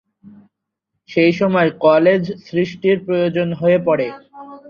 সেইসময় কলেজ সৃষ্টির প্রয়োজন হয়ে পড়ে।